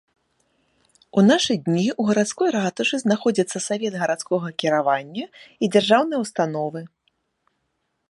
У нашы дні ў гарадской ратушы знаходзіцца савет гарадскога кіравання і дзяржаўныя ўстановы.